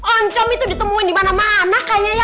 oncom itu ditemuin dimana mana kayaknya ya